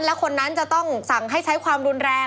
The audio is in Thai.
และคนนั้นจะต้องสั่งให้ใช้ความรุนแรง